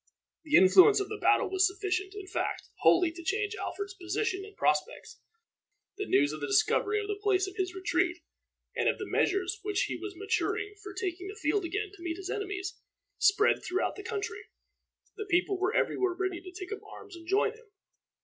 The influence of the battle was sufficient, in fact, wholly to change Alfred's position and prospects. The news of the discovery of the place of his retreat, and of the measures which he was maturing for taking the field again to meet his enemies, spread throughout the country. The people were every where ready to take up arms and join him.